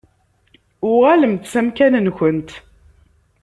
Uɣalemt s amkan-nkent.